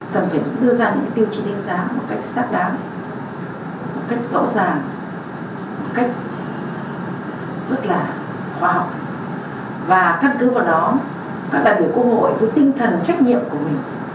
cần phải đưa ra những tiêu chí đánh giá một cách xác đáng một cách rõ ràng một cách rất là khoa học và căn cứ vào đó các đại biểu quốc hội với tinh thần trách nhiệm của mình